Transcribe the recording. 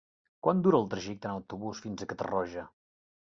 Quant dura el trajecte en autobús fins a Catarroja?